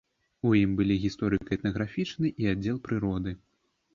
У ім былі гісторыка-этнаграфічны і аддзел прыроды.